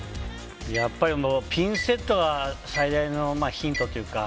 やっぱり、ピンセットは最大のヒントというか。